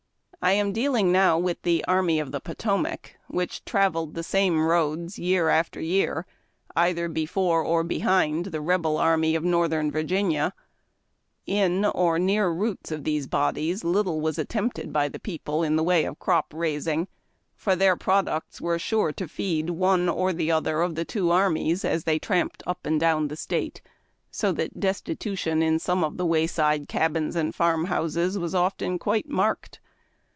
I am dealing now with the Army FORAGING. 235 of the Potomac, which travelled the same roads year after year, either before or behind the Rebel Army of Northern Virginia. In or near the routes of these bodies little was attempted by the people in the way of crop raising, for their products were sure to feed one or the other of the two armies as the}^ tramped up and down the state, so that destitution in some of the wayside cabins and farm houses was often quite marked.